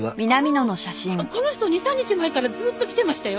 ああこの人２３日前からずっと来てましたよ。